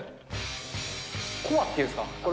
コアっていうんですか。